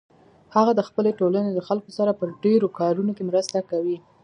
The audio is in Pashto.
هغه د خپلې ټولنې د خلکو سره په ډیرو کارونو کې مرسته کوي